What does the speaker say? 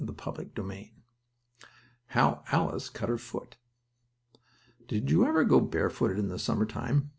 STORY XXII HOW ALICE CUT HER FOOT Did you ever go barefooted in the summer time?